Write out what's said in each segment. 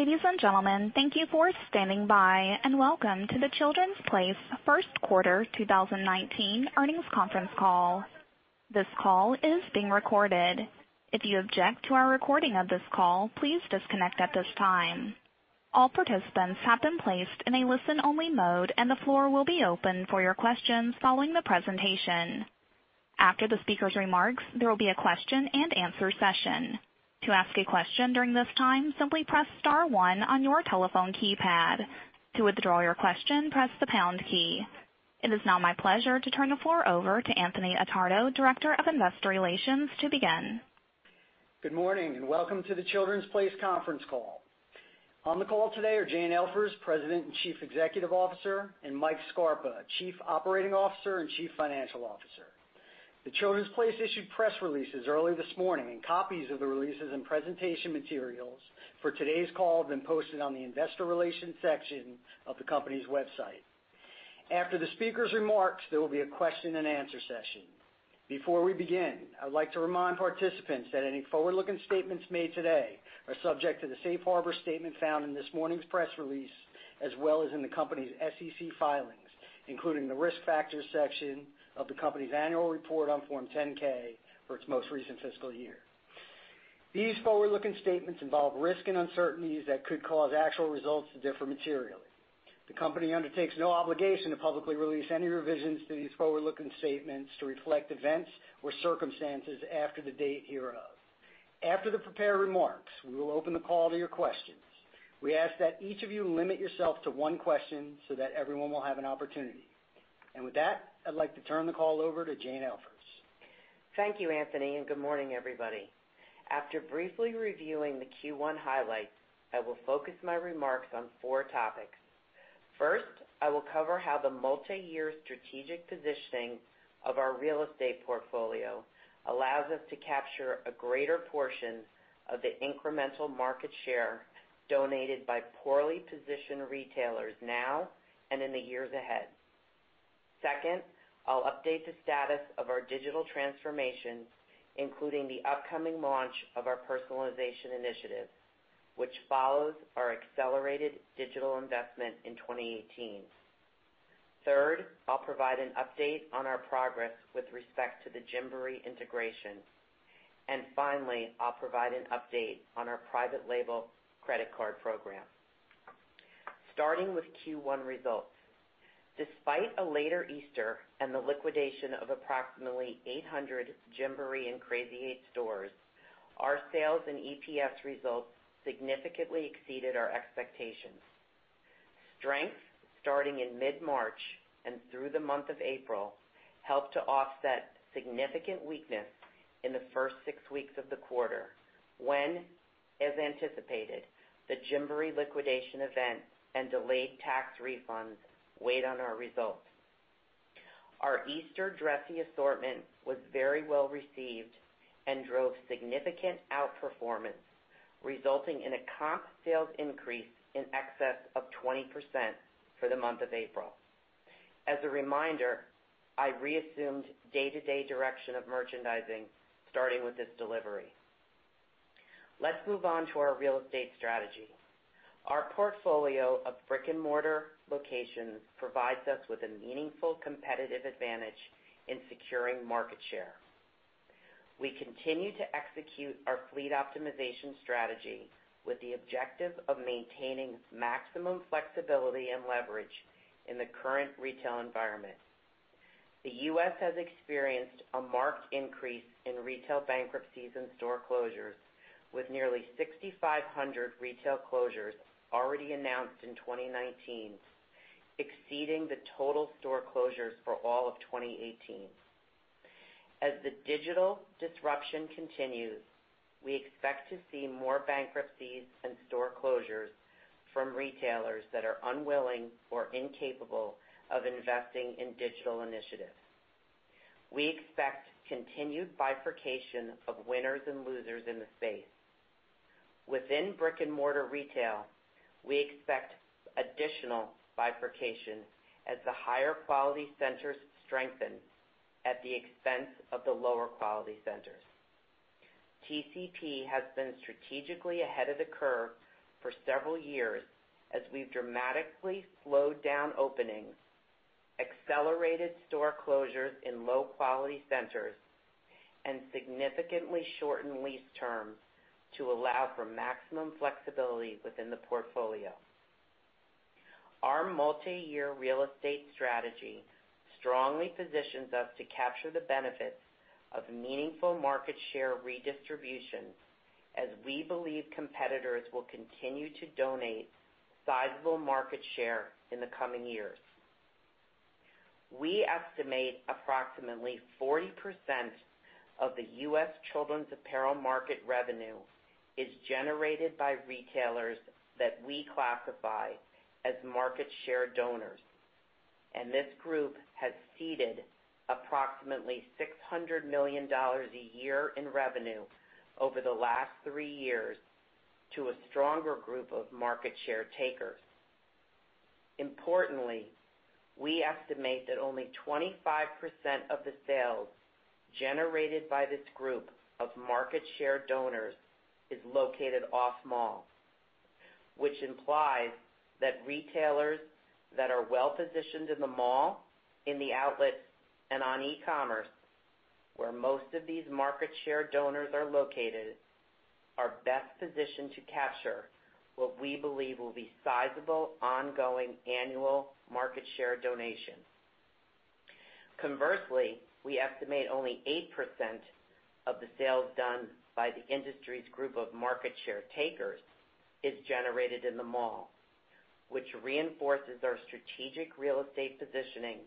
Ladies and gentlemen, thank you for standing by, welcome to The Children’s Place first quarter 2019 earnings conference call. This call is being recorded. If you object to our recording of this call, please disconnect at this time. All participants have been placed in a listen-only mode, the floor will be open for your questions following the presentation. After the speaker's remarks, there will be a question and answer session. To ask a question during this time, simply press star one on your telephone keypad. To withdraw your question, press the pound key. It is now my pleasure to turn the floor over to Anthony Attardo, Director of Investor Relations, to begin. Good morning, welcome to The Children’s Place conference call. On the call today are Jane Elfers, President and Chief Executive Officer, Michael Scarpa, Chief Operating Officer and Chief Financial Officer. The Children’s Place issued press releases early this morning, copies of the releases and presentation materials for today’s call have been posted on the investor relations section of the company’s website. After the speaker’s remarks, there will be a question and answer session. Before we begin, I would like to remind participants that any forward-looking statements made today are subject to the safe harbor statement found in this morning’s press release, as well as in the company’s SEC filings, including the Risk Factors section of the company’s annual report on Form 10-K for its most recent fiscal year. These forward-looking statements involve risks and uncertainties that could cause actual results to differ materially. The company undertakes no obligation to publicly release any revisions to these forward-looking statements to reflect events or circumstances after the date hereof. After the prepared remarks, we will open the call to your questions. We ask that each of you limit yourself to one question so that everyone will have an opportunity. With that, I’d like to turn the call over to Jane Elfers. Thank you, Anthony, good morning, everybody. After briefly reviewing the Q1 highlights, I will focus my remarks on four topics. First, I will cover how the multiyear strategic positioning of our real estate portfolio allows us to capture a greater portion of the incremental market share donated by poorly positioned retailers now and in the years ahead. Second, I’ll update the status of our digital transformation, including the upcoming launch of our personalization initiative, which follows our accelerated digital investment in 2018. Third, I’ll provide an update on our progress with respect to the Gymboree integration. Finally, I’ll provide an update on our private label credit card program. Starting with Q1 results. Despite a later Easter and the liquidation of approximately 800 Gymboree and Crazy 8 stores, our sales and EPS results significantly exceeded our expectations. Strength starting in mid-March and through the month of April helped to offset significant weakness in the first six weeks of the quarter when, as anticipated, the Gymboree liquidation event and delayed tax refunds weighed on our results. Our Easter dressy assortment was very well received and drove significant outperformance, resulting in a comp sales increase in excess of 20% for the month of April. As a reminder, I reassumed day-to-day direction of merchandising starting with this delivery. Let’s move on to our real estate strategy. Our portfolio of brick-and-mortar locations provides us with a meaningful competitive advantage in securing market share. We continue to execute our fleet optimization strategy with the objective of maintaining maximum flexibility and leverage in the current retail environment. The U.S. has experienced a marked increase in retail bankruptcies and store closures, with nearly 6,500 retail closures already announced in 2019, exceeding the total store closures for all of 2018. As the digital disruption continues, we expect to see more bankruptcies and store closures from retailers that are unwilling or incapable of investing in digital initiatives. We expect continued bifurcation of winners and losers in the space. Within brick-and-mortar retail, we expect additional bifurcation as the higher quality centers strengthen at the expense of the lower quality centers. TCP has been strategically ahead of the curve for several years as we’ve dramatically slowed down openings, accelerated store closures in low-quality centers, and significantly shortened lease terms to allow for maximum flexibility within the portfolio. Our multiyear real estate strategy strongly positions us to capture the benefits of meaningful market share redistribution, as we believe competitors will continue to donate sizable market share in the coming years. We estimate approximately 40% of the U.S. children’s apparel market revenue is generated by retailers that we classify as market share donors, and this group has ceded approximately $600 million a year in revenue over the last three years to a stronger group of market share takers. Importantly, we estimate that only 25% of the sales generated by this group of market share donors is located off-mall, which implies that retailers that are well-positioned in the mall, in the outlet, and on e-commerce, where most of these market share donors are located, are best positioned to capture what we believe will be sizable, ongoing annual market share donation. Conversely, we estimate only 8% of the sales done by the industry's group of market share takers is generated in the mall, which reinforces our strategic real estate positioning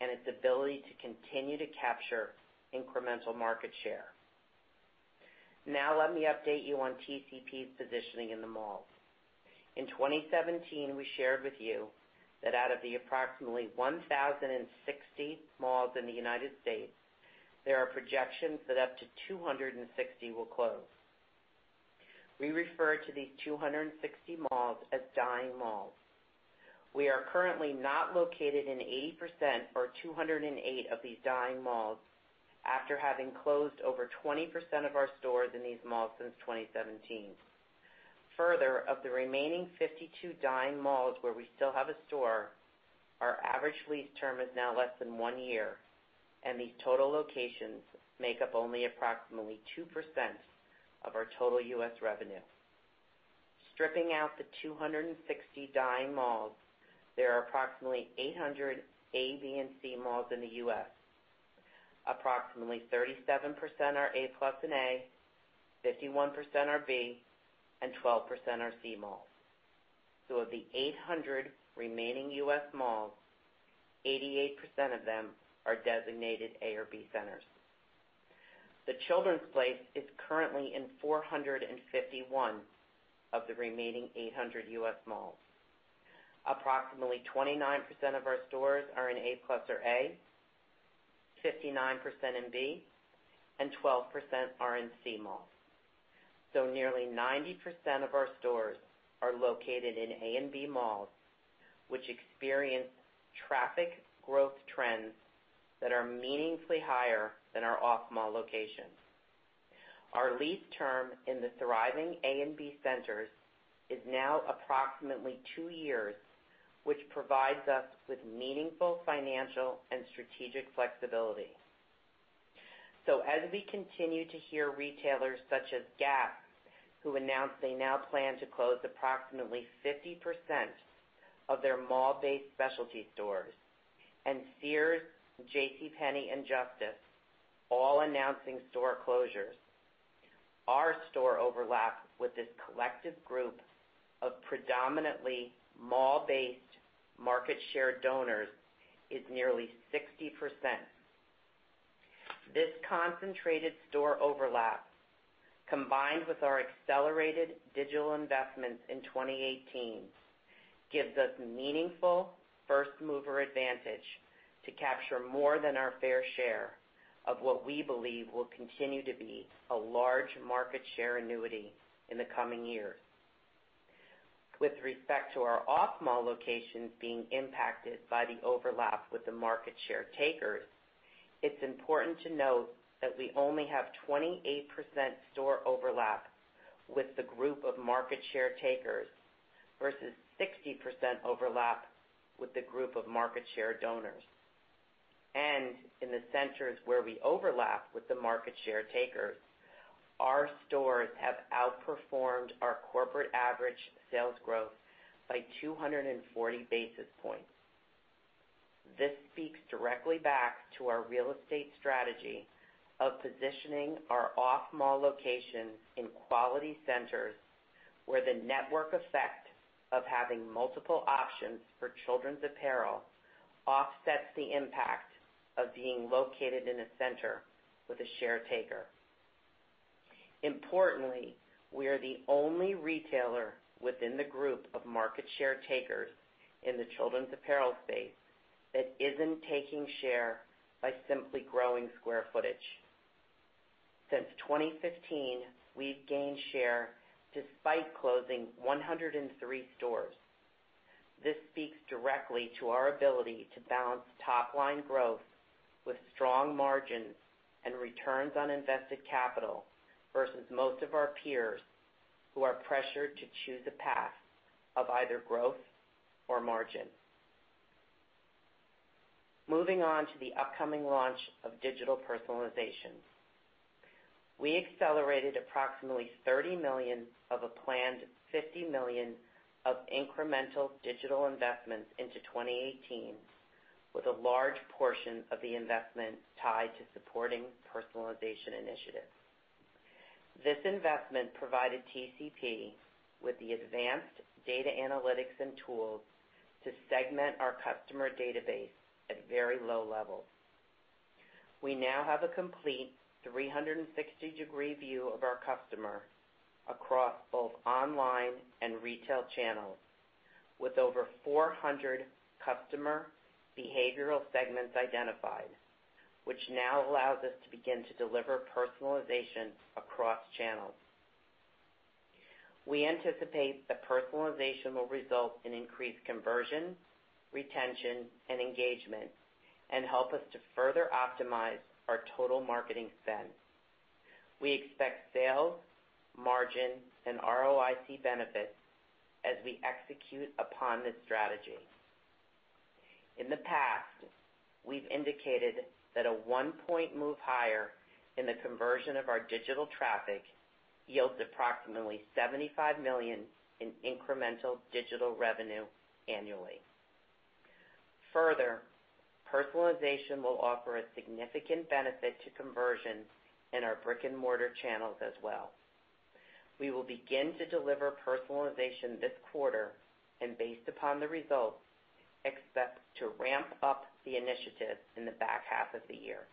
and its ability to continue to capture incremental market share. Now let me update you on TCP's positioning in the malls. In 2017, we shared with you that out of the approximately 1,060 malls in the United States, there are projections that up to 260 will close. We refer to these 260 malls as dying malls. We are currently not located in 80%, or 208 of these dying malls after having closed over 20% of our stores in these malls since 2017. Further, of the remaining 52 dying malls where we still have a store, our average lease term is now less than one year, and these total locations make up only approximately 2% of our total U.S. revenue. Stripping out the 260 dying malls, there are approximately 800 A, B, and C malls in the U.S. Approximately 37% are A-plus and A, 51% are B, and 12% are C malls. Of the 800 remaining U.S. malls, 88% of them are designated A or B centers. The Children’s Place is currently in 451 of the remaining 800 U.S. malls. Approximately 29% of our stores are in A-plus or A, 59% in B, and 12% are in C malls. Nearly 90% of our stores are located in A and B malls, which experience traffic growth trends that are meaningfully higher than our off-mall locations. Our lease term in the thriving A and B centers is now approximately two years, which provides us with meaningful financial and strategic flexibility. As we continue to hear retailers such as Gap, who announced they now plan to close approximately 50% of their mall-based specialty stores, and Sears, JCPenney, and Justice all announcing store closures, our store overlap with this collective group of predominantly mall-based market share donors is nearly 60%. This concentrated store overlap, combined with our accelerated digital investments in 2018, gives us meaningful first-mover advantage to capture more than our fair share of what we believe will continue to be a large market share annuity in the coming years. With respect to our off-mall locations being impacted by the overlap with the market share takers, it's important to note that we only have 28% store overlap with the group of market share takers, versus 60% overlap with the group of market share donors. In the centers where we overlap with the market share takers, our stores have outperformed our corporate average sales growth by 240 basis points. This speaks directly back to our real estate strategy of positioning our off-mall locations in quality centers, where the network effect of having multiple options for children's apparel offsets the impact of being located in a center with a share taker. Importantly, we are the only retailer within the group of market share takers in the children's apparel space that isn't taking share by simply growing square footage. Since 2015, we've gained share despite closing 103 stores. This speaks directly to our ability to balance top-line growth with strong margins and returns on invested capital versus most of our peers, who are pressured to choose a path of either growth or margin. Moving on to the upcoming launch of digital personalization. We accelerated approximately $30 million of a planned $50 million of incremental digital investments into 2018, with a large portion of the investment tied to supporting personalization initiatives. This investment provided TCP with the advanced data analytics and tools to segment our customer database at very low levels. We now have a complete 360-degree view of our customer across both online and retail channels, with over 400 customer behavioral segments identified, which now allows us to begin to deliver personalization across channels. We anticipate that personalization will result in increased conversion, retention, and engagement, and help us to further optimize our total marketing spend. We expect sales, margin, and ROIC benefits as we execute upon this strategy. In the past, we've indicated that a one-point move higher in the conversion of our digital traffic yields approximately $75 million in incremental digital revenue annually. Further, personalization will offer a significant benefit to conversion in our brick-and-mortar channels as well. We will begin to deliver personalization this quarter, and based upon the results, expect to ramp up the initiative in the back half of the year.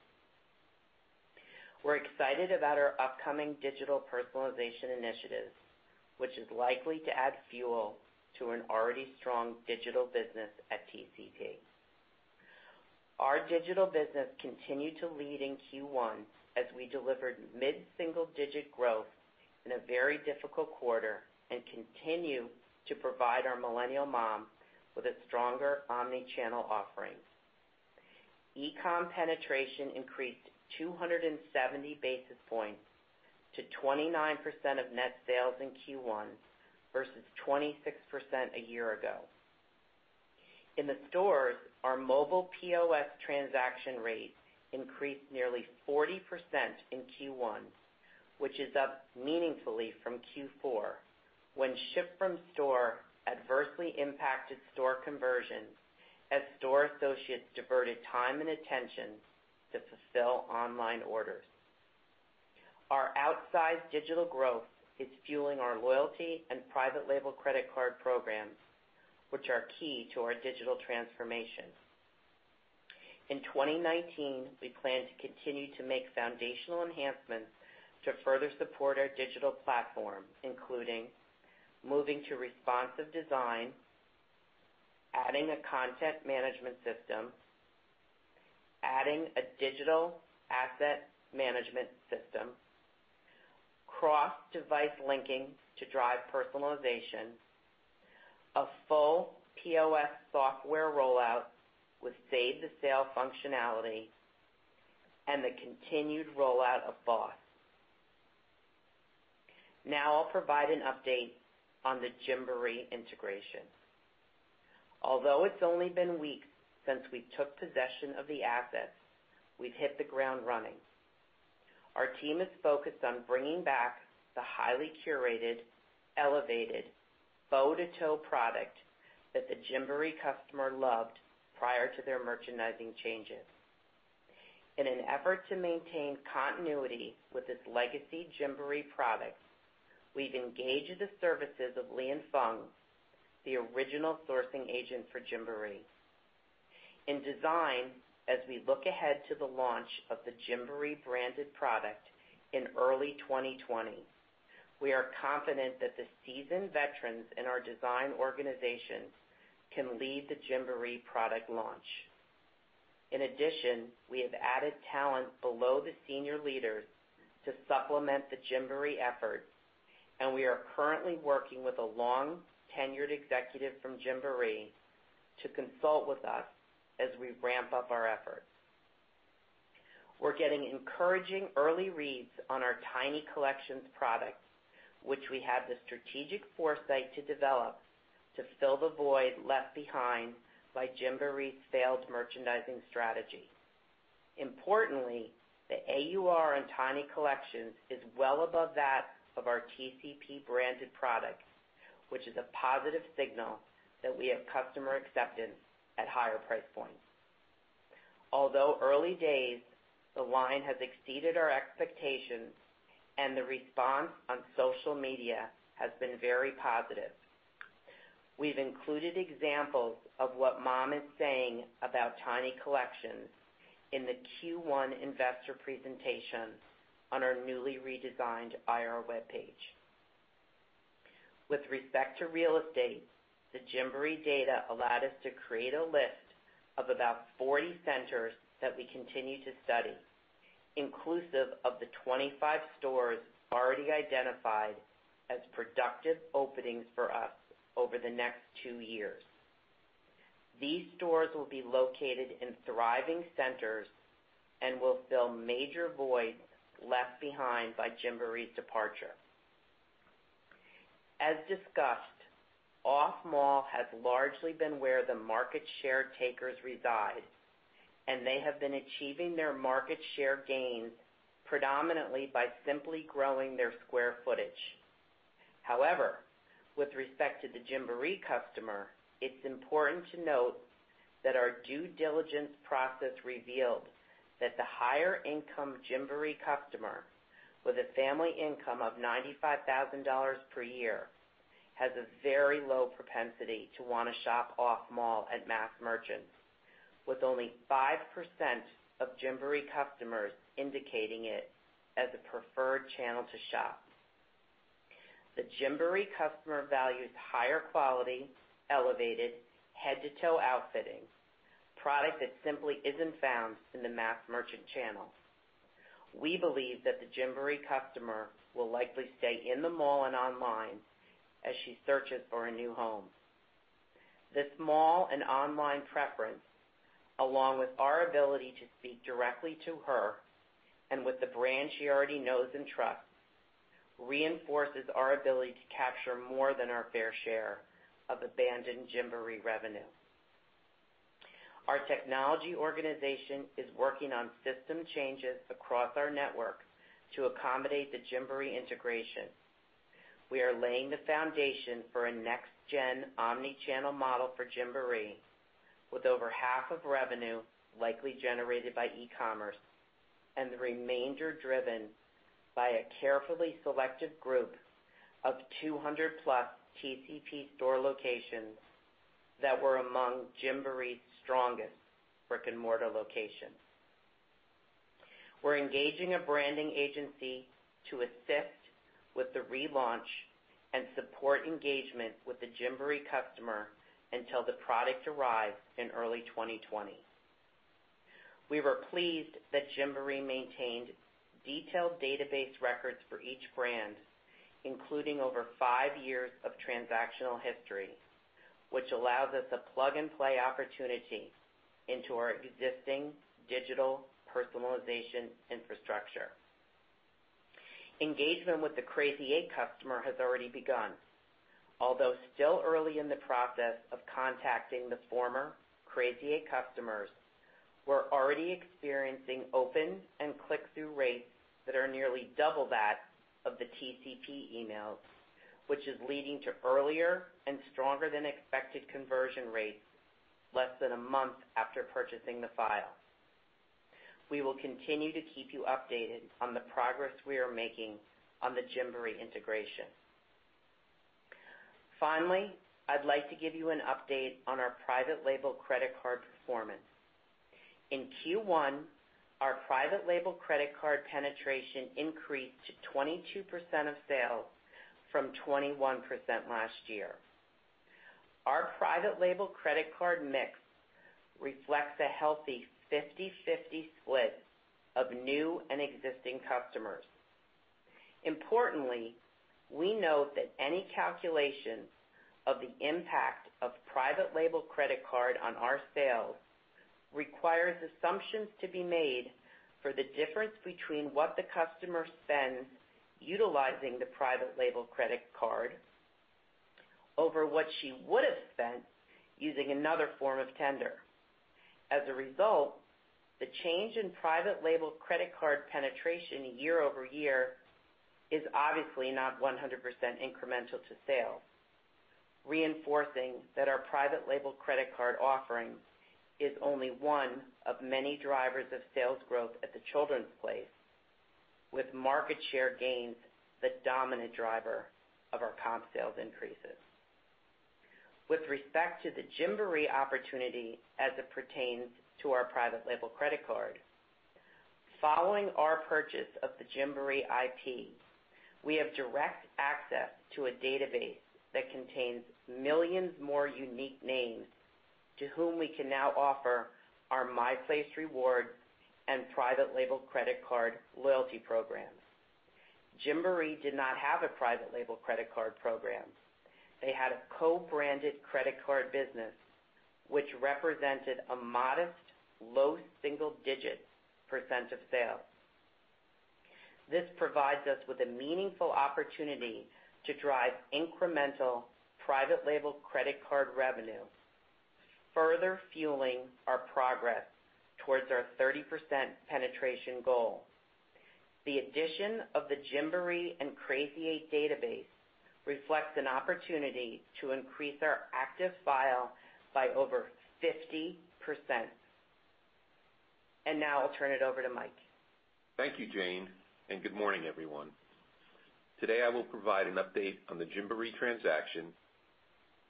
We're excited about our upcoming digital personalization initiatives, which is likely to add fuel to an already strong digital business at TCP. Our digital business continued to lead in Q1 as we delivered mid-single-digit growth in a very difficult quarter and continue to provide our millennial mom with a stronger omnichannel offering. E-com penetration increased 270 basis points to 29% of net sales in Q1 versus 26% a year ago. In the stores, our mobile POS transaction rate increased nearly 40% in Q1, which is up meaningfully from Q4, when ship from store adversely impacted store conversions as store associates diverted time and attention to fulfill online orders. Our outsized digital growth is fueling our loyalty and private label credit card programs, which are key to our digital transformation. In 2019, we plan to continue to make foundational enhancements to further support our digital platform, including moving to responsive design, adding a content management system, adding a digital asset management system, cross-device linking to drive personalization, a full POS software rollout with save-the-sale functionality, and the continued rollout of BOSS. I'll provide an update on the Gymboree integration. Although it's only been weeks since we took possession of the assets, we've hit the ground running. Our team is focused on bringing back the highly curated, elevated, bow-to-toe product that the Gymboree customer loved prior to their merchandising changes. In an effort to maintain continuity with its legacy Gymboree products, we've engaged the services of Li & Fung, the original sourcing agent for Gymboree. In design, as we look ahead to the launch of the Gymboree-branded product in early 2020, we are confident that the seasoned veterans in our design organizations can lead the Gymboree product launch. In addition, we have added talent below the senior leaders to supplement the Gymboree efforts, and we are currently working with a long-tenured executive from Gymboree to consult with us as we ramp up our efforts. We're getting encouraging early reads on our Tiny Collections products, which we had the strategic foresight to develop to fill the void left behind by Gymboree's failed merchandising strategy. Importantly, the AUR on Tiny Collections is well above that of our TCP-branded products, which is a positive signal that we have customer acceptance at higher price points. Although early days, the line has exceeded our expectations, and the response on social media has been very positive. We've included examples of what mom is saying about Tiny Collections in the Q1 investor presentation on our newly redesigned IR webpage. With respect to real estate, the Gymboree data allowed us to create a list of about 40 centers that we continue to study, inclusive of the 25 stores already identified as productive openings for us over the next two years. These stores will be located in thriving centers and will fill major voids left behind by Gymboree's departure. As discussed, off-mall has largely been where the market share takers reside, and they have been achieving their market share gains predominantly by simply growing their square footage. However, with respect to the Gymboree customer, it's important to note that our due diligence process revealed that the higher income Gymboree customer with a family income of $95,000 per year has a very low propensity to want to shop off-mall at mass merchants. With only 5% of Gymboree customers indicating it as a preferred channel to shop. The Gymboree customer values higher quality, elevated, head-to-toe outfitting. Product that simply isn't found in the mass merchant channel. We believe that the Gymboree customer will likely stay in the mall and online as she searches for a new home. This mall and online preference, along with our ability to speak directly to her, and with the brand she already knows and trusts, reinforces our ability to capture more than our fair share of abandoned Gymboree revenue. Our technology organization is working on system changes across our network to accommodate the Gymboree integration. We are laying the foundation for a next-gen omni-channel model for Gymboree, with over half of revenue likely generated by e-commerce, and the remainder driven by a carefully selected group of 200-plus TCP store locations that were among Gymboree's strongest brick and mortar locations. We're engaging a branding agency to assist with the relaunch and support engagement with the Gymboree customer until the product arrives in early 2020. We were pleased that Gymboree maintained detailed database records for each brand, including over five years of transactional history, which allows us a plug-and-play opportunity into our existing digital personalization infrastructure. Engagement with the Crazy 8 customer has already begun. Although still early in the process of contacting the former Crazy 8 customers, we're already experiencing open and click-through rates that are nearly double that of the TCP emails, which is leading to earlier and stronger than expected conversion rates less than a month after purchasing the file. We will continue to keep you updated on the progress we are making on the Gymboree integration. Finally, I'd like to give you an update on our private label credit card performance. In Q1, our private label credit card penetration increased to 22% of sales from 21% last year. Our private label credit card mix reflects a healthy 50/50 split of new and existing customers. Importantly, we note that any calculations of the impact of private label credit card on our sales requires assumptions to be made for the difference between what the customer spends utilizing the private label credit card over what she would have spent using another form of tender. As a result, the change in private label credit card penetration year-over-year is obviously not 100% incremental to sales, reinforcing that our private label credit card offering is only one of many drivers of sales growth at The Children's Place, with market share gains the dominant driver of our comp sales increases. With respect to the Gymboree opportunity as it pertains to our private label credit card, following our purchase of the Gymboree IP, we have direct access to a database that contains millions more unique names to whom we can now offer our My Place Rewards and private label credit card loyalty programs. Gymboree did not have a private label credit card program. They had a co-branded credit card business, which represented a modest, low single-digit percent of sales. This provides us with a meaningful opportunity to drive incremental private label credit card revenue, further fueling our progress towards our 30% penetration goal. The addition of the Gymboree and Crazy 8 database reflects an opportunity to increase our active file by over 50%. Now I'll turn it over to Mike. Thank you, Jane, and good morning, everyone. Today, I will provide an update on the Gymboree transaction,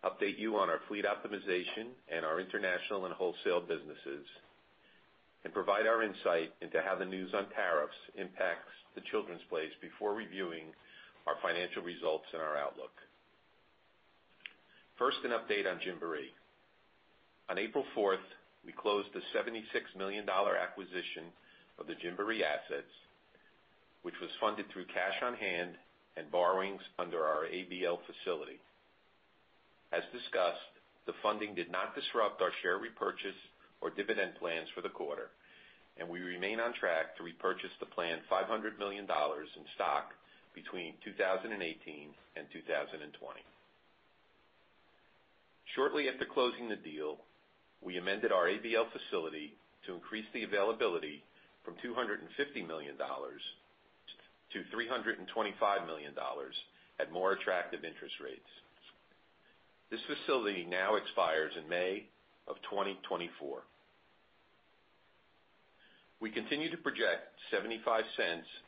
update you on our fleet optimization and our international and wholesale businesses, and provide our insight into how the news on tariffs impacts The Children's Place before reviewing our financial results and our outlook. First, an update on Gymboree. On April 4th, we closed the $76 million acquisition of the Gymboree assets, which was funded through cash on hand and borrowings under our ABL facility. As discussed, the funding did not disrupt our share repurchase or dividend plans for the quarter, and we remain on track to repurchase the planned $500 million in stock between 2018 and 2020. Shortly after closing the deal, we amended our ABL facility to increase the availability from $250 million to $325 million at more attractive interest rates. This facility now expires in May of 2024. We continue to project $0.75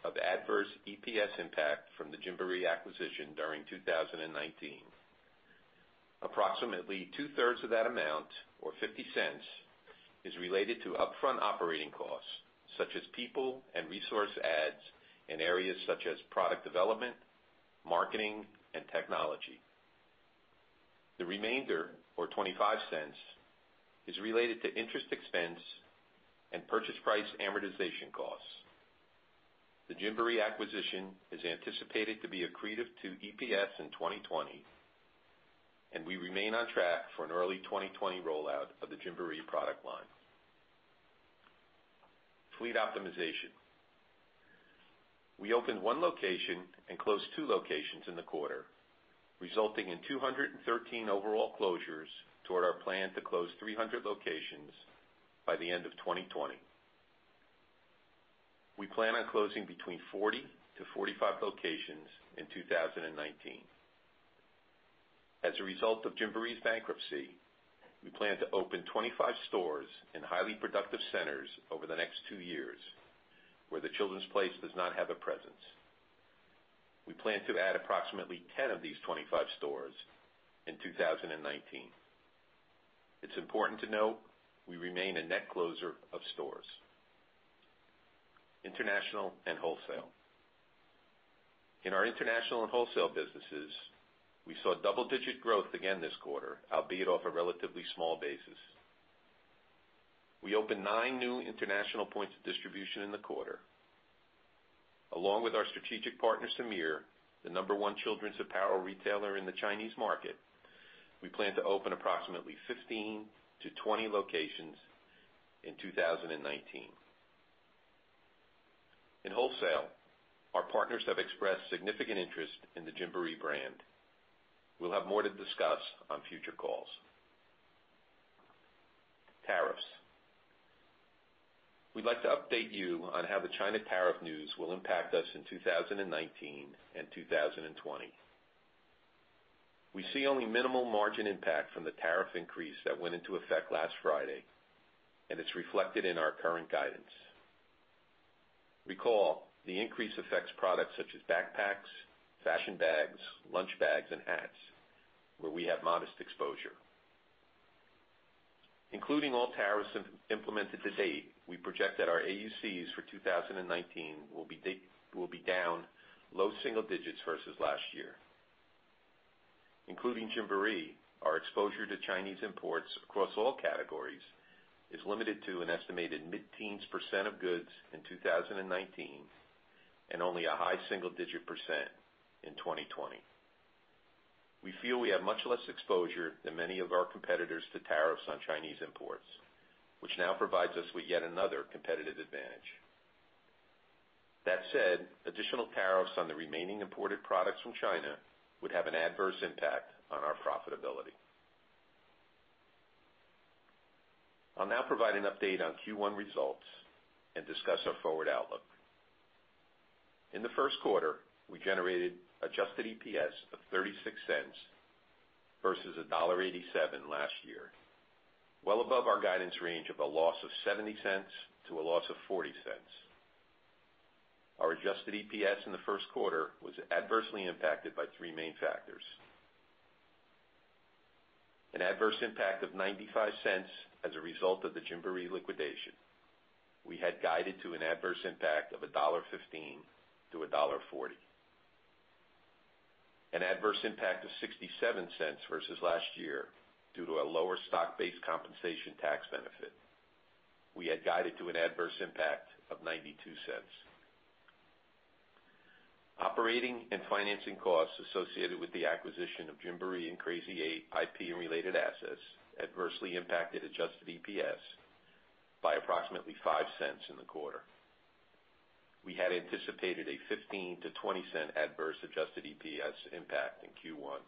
of adverse EPS impact from the Gymboree acquisition during 2019. Approximately two-thirds of that amount, or $0.50, is related to upfront operating costs, such as people and resource adds in areas such as product development, marketing, and technology. The remainder, or $0.25, is related to interest expense and purchase price amortization costs. The Gymboree acquisition is anticipated to be accretive to EPS in 2020, and we remain on track for an early 2020 rollout of the Gymboree product line. Fleet optimization. We opened one location and closed two locations in the quarter, resulting in 213 overall closures toward our plan to close 300 locations by the end of 2020. We plan on closing between 40 to 45 locations in 2019. As a result of Gymboree's bankruptcy, we plan to open 25 stores in highly productive centers over the next two years, where The Children's Place does not have a presence. We plan to add approximately 10 of these 25 stores in 2019. It's important to note, we remain a net closer of stores. International and wholesale. In our international and wholesale businesses, we saw double-digit growth again this quarter, albeit off a relatively small basis. We opened nine new international points of distribution in the quarter. Along with our strategic partner, Semir, the number one children's apparel retailer in the Chinese market, we plan to open approximately 15 to 20 locations in 2019. In wholesale, our partners have expressed significant interest in the Gymboree brand. We'll have more to discuss on future calls. Tariffs. We'd like to update you on how the China tariff news will impact us in 2019 and 2020. We see only minimal margin impact from the tariff increase that went into effect last Friday, and it's reflected in our current guidance. Recall, the increase affects products such as backpacks, fashion bags, lunch bags, and hats, where we have modest exposure. Including all tariffs implemented to date, we project that our AUCs for 2019 will be down low single digits versus last year. Including Gymboree, our exposure to Chinese imports across all categories is limited to an estimated mid-teens percent of goods in 2019, and only a high single-digit percent in 2020. We feel we have much less exposure than many of our competitors to tariffs on Chinese imports, which now provides us with yet another competitive advantage. That said, additional tariffs on the remaining imported products from China would have an adverse impact on our profitability. I'll now provide an update on Q1 results and discuss our forward outlook. In the first quarter, we generated adjusted EPS of $0.36 versus $1.87 last year, well above our guidance range of a loss of $0.70 to a loss of $0.40. Our adjusted EPS in the first quarter was adversely impacted by three main factors. An adverse impact of $0.95 as a result of the Gymboree liquidation. We had guided to an adverse impact of $1.15 to $1.40. An adverse impact of $0.67 versus last year due to a lower stock-based compensation tax benefit. We had guided to an adverse impact of $0.92. Operating and financing costs associated with the acquisition of Gymboree and Crazy 8 IP and related assets adversely impacted adjusted EPS by approximately $0.05 in the quarter. We had anticipated a $0.15 to $0.20 adverse adjusted EPS impact in Q1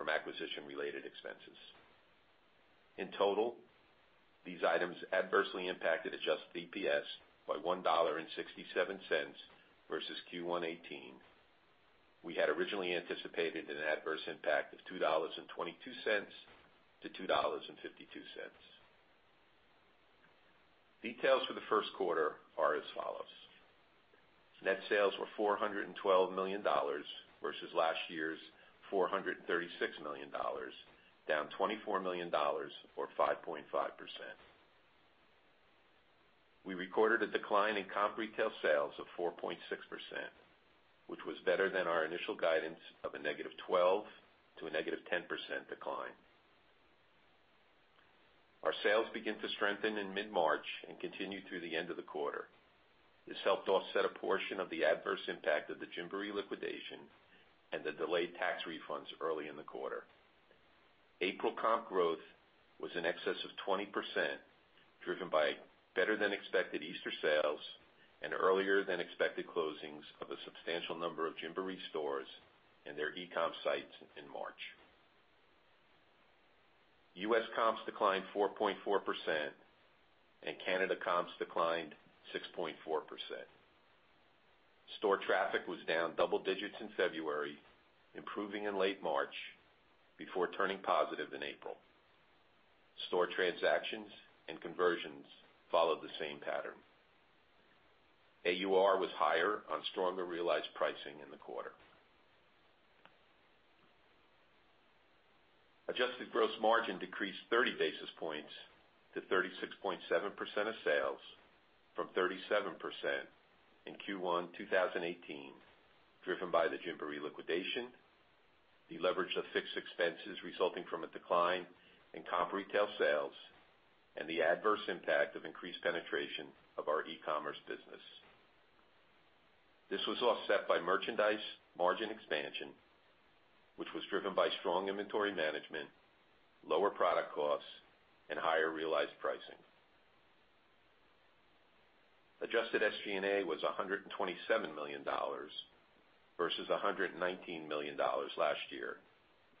from acquisition-related expenses. In total, these items adversely impacted adjusted EPS by $1.67 versus Q1 '18. We had originally anticipated an adverse impact of $2.22 to $2.52. Details for the first quarter are as follows. Net sales were $412 million, versus last year's $436 million, down $24 million or 5.5%. We recorded a decline in comp retail sales of 4.6%, which was better than our initial guidance of a negative 12% to a negative 10% decline. Our sales begin to strengthen in mid-March and continue through the end of the quarter. This helped offset a portion of the adverse impact of the Gymboree liquidation and the delayed tax refunds early in the quarter. April comp growth was in excess of 20%, driven by better-than-expected Easter sales and earlier-than-expected closings of a substantial number of Gymboree stores and their e-com sites in March. U.S. comps declined 4.4%, and Canada comps declined 6.4%. Store traffic was down double digits in February, improving in late March, before turning positive in April. Store transactions and conversions followed the same pattern. AUR was higher on stronger realized pricing in the quarter. Adjusted gross margin decreased 30 basis points to 36.7% of sales from 37% in Q1 2018, driven by the Gymboree liquidation, the leverage of fixed expenses resulting from a decline in comp retail sales, and the adverse impact of increased penetration of our e-commerce business. This was offset by merchandise margin expansion, which was driven by strong inventory management, lower product costs, and higher realized pricing. Adjusted SG&A was $127 million versus $119 million last year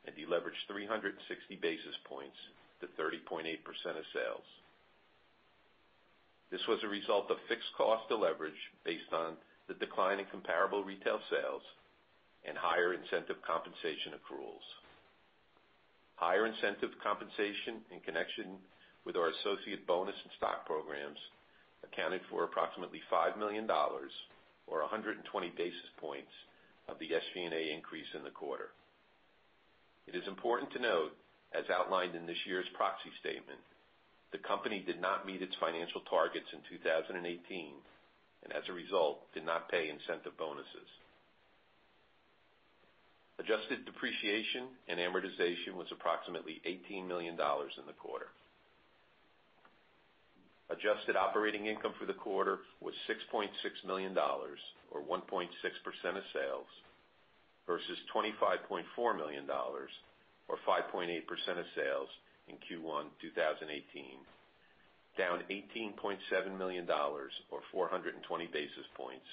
and leveraged 360 basis points to 30.8% of sales. This was a result of fixed cost deleverage based on the decline in comparable retail sales and higher incentive compensation accruals. Higher incentive compensation in connection with our associate bonus and stock programs accounted for approximately $5 million or 120 basis points of the SG&A increase in the quarter. It is important to note, as outlined in this year's proxy statement, the company did not meet its financial targets in 2018, and as a result, did not pay incentive bonuses. Adjusted depreciation and amortization was approximately $18 million in the quarter. Adjusted operating income for the quarter was $6.6 million, or 1.6% of sales, versus $25.4 million, or 5.8% of sales in Q1 2018, down $18.7 million or 420 basis points,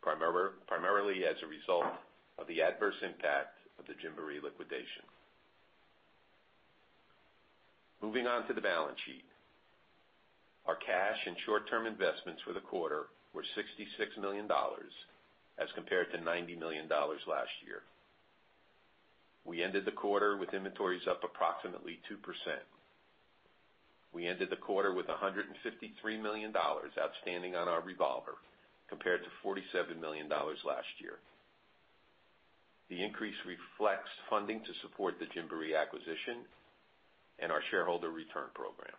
primarily as a result of the adverse impact of the Gymboree liquidation. Moving on to the balance sheet. Our cash and short-term investments for the quarter were $66 million as compared to $90 million last year. We ended the quarter with inventories up approximately 2%. We ended the quarter with $153 million outstanding on our revolver compared to $47 million last year. The increase reflects funding to support the Gymboree acquisition and our shareholder return program.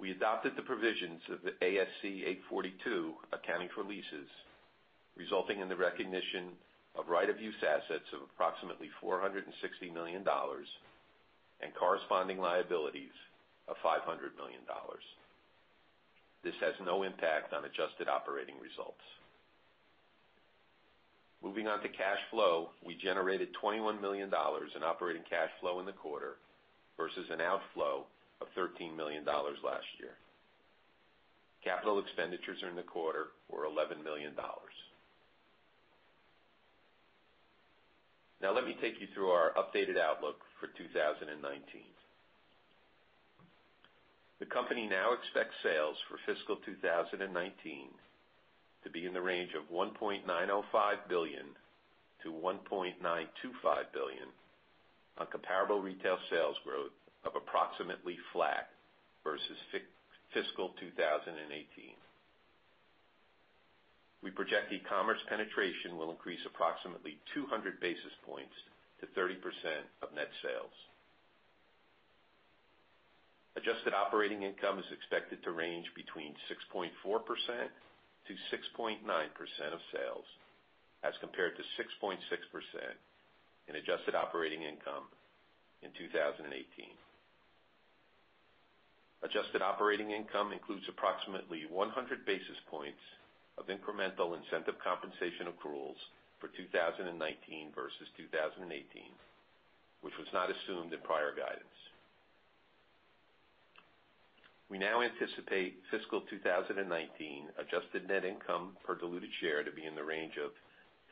We adopted the provisions of the ASC 842 accounting for leases, resulting in the recognition of right-of-use assets of approximately $460 million and corresponding liabilities of $500 million. This has no impact on adjusted operating results. Moving on to cash flow. We generated $21 million in operating cash flow in the quarter versus an outflow of $13 million last year. Capital expenditures in the quarter were $11 million. Now, let me take you through our updated outlook for 2019. The company now expects sales for fiscal 2019 to be in the range of $1.905 billion to $1.925 billion on comparable retail sales growth of approximately flat versus fiscal 2018. We project e-commerce penetration will increase approximately 200 basis points to 30% of net sales. Adjusted operating income is expected to range between 6.4%-6.9% of sales, as compared to 6.6% in adjusted operating income in 2018. Adjusted operating income includes approximately 100 basis points of incremental incentive compensation accruals for 2019 versus 2018, which was not assumed in prior guidance. We now anticipate fiscal 2019 adjusted net income per diluted share to be in the range of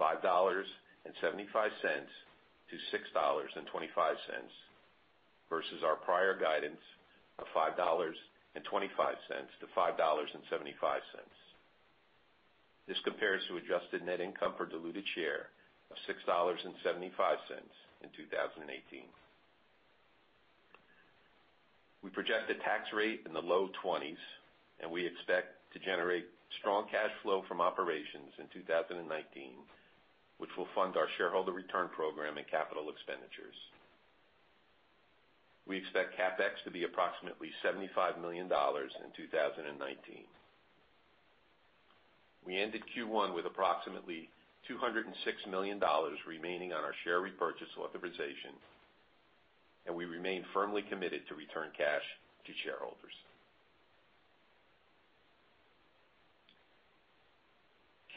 $5.75-$6.25 versus our prior guidance of $5.25-$5.75. This compares to adjusted net income per diluted share of $6.75 in 2018. We project a tax rate in the low 20s, and we expect to generate strong cash flow from operations in 2019, which will fund our shareholder return program and capital expenditures. We expect CapEx to be approximately $75 million in 2019. We ended Q1 with approximately $206 million remaining on our share repurchase authorization, and we remain firmly committed to return cash to shareholders.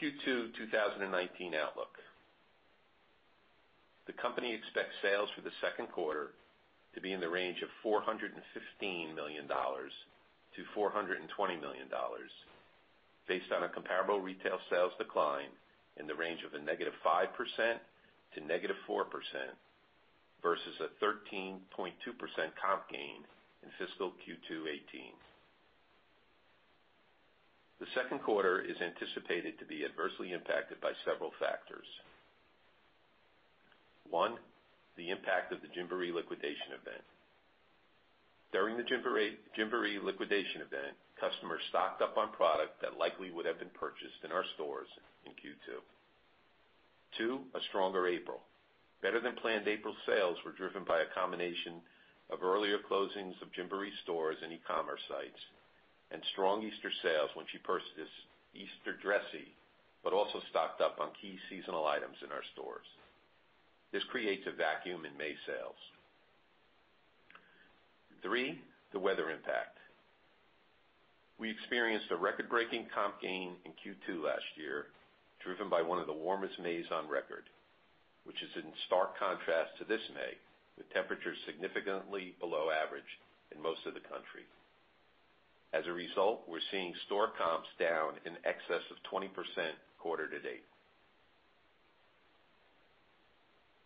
Q2 2019 outlook. The company expects sales for the second quarter to be in the range of $415 million to $420 million based on a comparable retail sales decline in the range of -5% to -4%, versus a 13.2% comp gain in fiscal Q2 2018. The second quarter is anticipated to be adversely impacted by several factors. One, the impact of the Gymboree liquidation event. During the Gymboree liquidation event, customers stocked up on product that likely would have been purchased in our stores in Q2. Two, a stronger April. Better than planned April sales were driven by a combination of earlier closings of Gymboree stores and e-commerce sites and strong Easter sales when she purchased this Easter dressy, but also stocked up on key seasonal items in our stores. This creates a vacuum in May sales. Three, the weather impact. We experienced a record-breaking comp gain in Q2 last year, driven by one of the warmest Mays on record, which is in stark contrast to this May, with temperatures significantly below average in most of the country. As a result, we're seeing store comps down in excess of 20% quarter to date.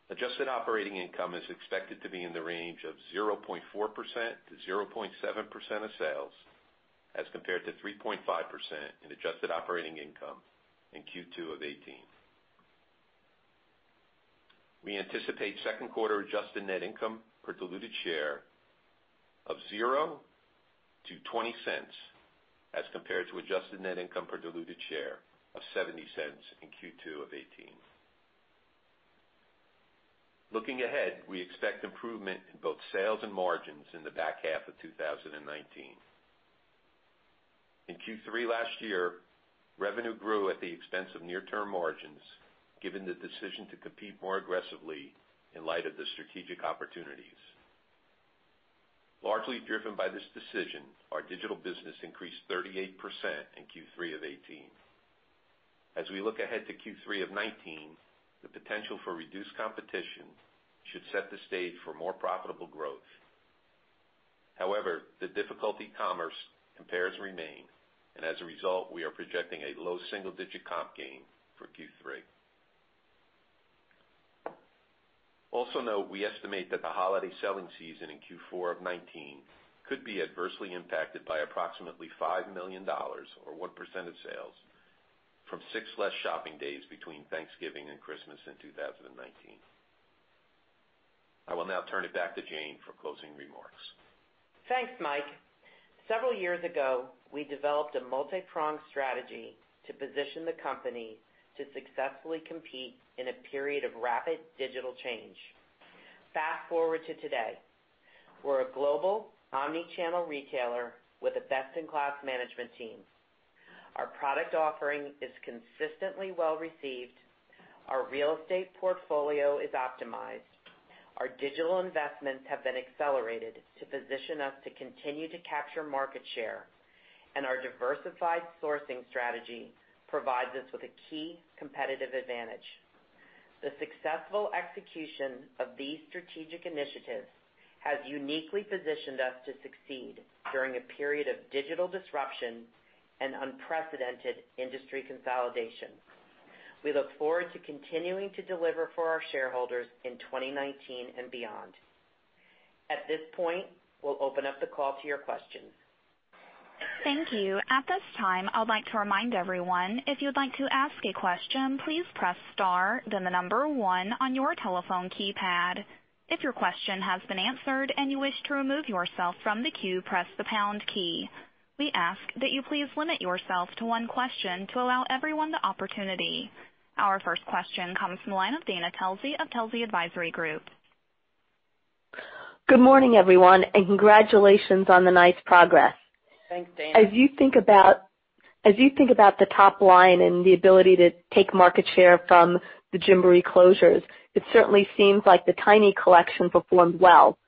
Adjusted operating income is expected to be in the range of 0.4%-0.7% of sales as compared to 3.5% in adjusted operating income in Q2 of 2018. We anticipate second quarter adjusted net income per diluted share of 0 to $0.20 as compared to adjusted net income per diluted share of $0.70 in Q2 of 2018. Looking ahead, we expect improvement in both sales and margins in the back half of 2019. In Q3 last year, revenue grew at the expense of near-term margins, given the decision to compete more aggressively in light of the strategic opportunities. Largely driven by this decision, our digital business increased 38% in Q3 of 2018. As we look ahead to Q3 of 2019, the potential for reduced competition should set the stage for more profitable growth. The difficult e-commerce compares remain, and as a result, we are projecting a low single-digit comp gain for Q3. Note, we estimate that the holiday selling season in Q4 of 2019 could be adversely impacted by approximately $5 million or 1% of sales from six less shopping days between Thanksgiving and Christmas in 2019. I will now turn it back to Jane for closing remarks. Thanks, Mike. Several years ago, we developed a multi-pronged strategy to position the company to successfully compete in a period of rapid digital change. Fast-forward to today. We're a global omni-channel retailer with a best-in-class management team. Our product offering is consistently well-received. Our real estate portfolio is optimized. Our digital investments have been accelerated to position us to continue to capture market share. Our diversified sourcing strategy provides us with a key competitive advantage. The successful execution of these strategic initiatives has uniquely positioned us to succeed during a period of digital disruption and unprecedented industry consolidation. We look forward to continuing to deliver for our shareholders in 2019 and beyond. At this point, we'll open up the call to your questions. Thank you. At this time, I'd like to remind everyone, if you'd like to ask a question, please press star, then the number 1 on your telephone keypad. If your question has been answered and you wish to remove yourself from the queue, press the pound key. We ask that you please limit yourself to one question to allow everyone the opportunity. Our first question comes from the line of Dana Telsey of Telsey Advisory Group. Good morning, everyone, and congratulations on the nice progress. Thanks, Dana. As you think about the top line and the ability to take market share from the Gymboree closures, it certainly seems like the Tiny Collection performed well.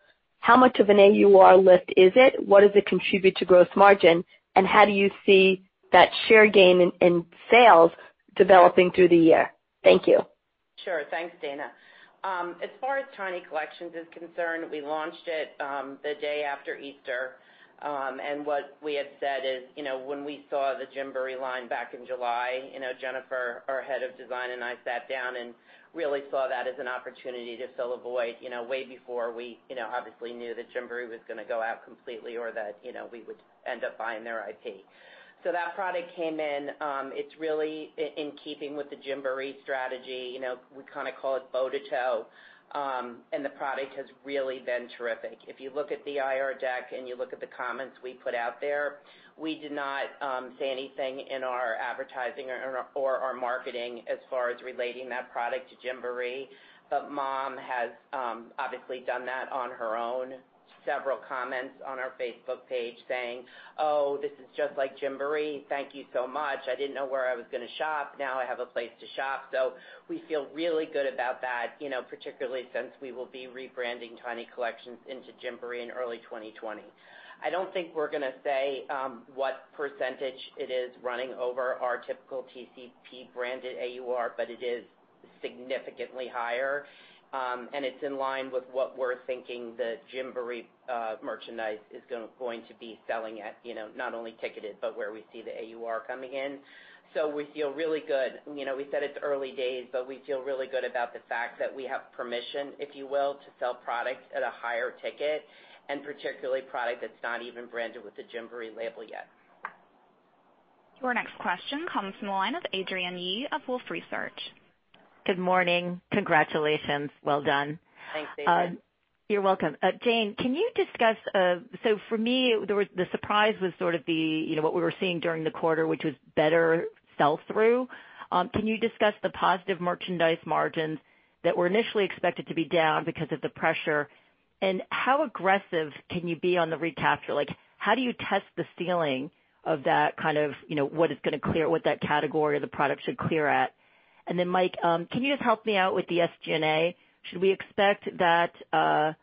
How much of an AUR lift is it? What does it contribute to gross margin, and how do you see that share gain in sales developing through the year? Thank you. Sure. Thanks, Dana. As far as Tiny Collections is concerned, we launched it the day after Easter. What we had said is, when we saw the Gymboree line back in July, Jennifer, our head of design, and I sat down and really saw that as an opportunity to fill a void, way before we obviously knew that Gymboree was gonna go out completely or that we would end up buying their IP. That product came in. It's really in keeping with the Gymboree strategy. We call it bow to toe. The product has really been terrific. If you look at the IR deck and you look at the comments we put out there, we did not say anything in our advertising or our marketing as far as relating that product to Gymboree. Mom has obviously done that on her own. Several comments on our Facebook page saying, "Oh, this is just like Gymboree. Thank you so much. I didn't know where I was gonna shop. Now I have a place to shop." We feel really good about that, particularly since we will be rebranding Tiny Collections into Gymboree in early 2020. I don't think we're gonna say what percentage it is running over our typical TCP branded AUR, but it is significantly higher. It's in line with what we're thinking the Gymboree merchandise is going to be selling at, not only ticketed, but where we see the AUR coming in. We feel really good. We said it's early days, but we feel really good about the fact that we have permission, if you will, to sell product at a higher ticket, and particularly product that's not even branded with the Gymboree label yet. Your next question comes from the line of Adrienne Yih of Wolfe Research. Good morning. Congratulations. Well done. Thanks, Adrienne. You're welcome. Jane, can you discuss-- For me, the surprise was sort of what we were seeing during the quarter, which was better sell-through. Can you discuss the positive merchandise margins that were initially expected to be down because of the pressure? How aggressive can you be on the recapture? How do you test the ceiling of that, kind of, what that category or the product should clear at? Mike, can you just help me out with the SG&A? Should we expect that-- I'll